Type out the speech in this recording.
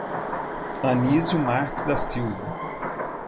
Anizio Marques da Silva